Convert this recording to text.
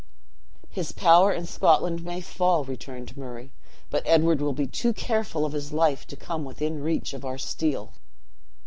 "His power in Scotland may fall," returned Murray; "but Edward will be too careful of his life to come within reach of our steel."